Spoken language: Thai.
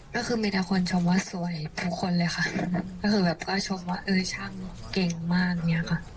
ก็คือมีแต่คนชมว่าสวยทุกคนเลยค่ะก็คือแบบก็ชมว่าเออช่างเก่งมากอย่างเงี้ยค่ะ